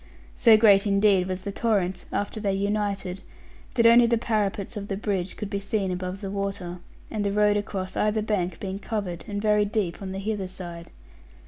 So great indeed was the torrent, after they united, that only the parapets of the bridge could be seen above the water, the road across either bank being covered and very deep on the hither side.